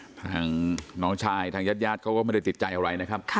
จริงเลยทางหน้าชายทางญชย์ย่านก็ไม่ได้ติดใจอะไรนะครับ